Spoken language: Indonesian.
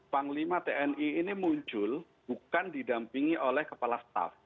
panglima tni ini muncul bukan didampingi oleh kepala staff